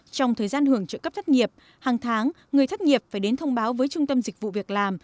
trong thời gian hưởng trợ cấp thất nghiệp hàng tháng người thất nghiệp phải đến thông báo với trung tâm dịch vụ việc làm